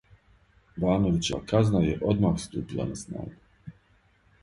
Бановићева казна је одмах ступила на снагу.